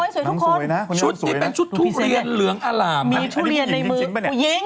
ทุกคนชุดนี้เป็นชุดทุเรียนเหลืองอร่ามมีทุเรียนในมือผู้หญิง